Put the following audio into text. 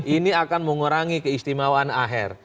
ini akan mengurangi keistimewaan aher